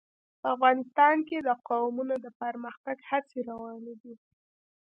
افغانستان کې د قومونه د پرمختګ هڅې روانې دي.